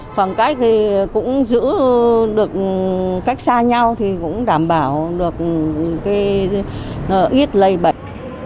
khoảng cách thì cũng giữ được cách xa nhau thì cũng đảm bảo được ít lây bệnh